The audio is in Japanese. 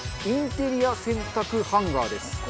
インテリア洗濯ハンガーです。